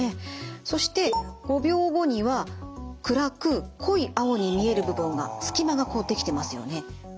そして５秒後には暗く濃い青に見える部分が隙間が出来てますよね。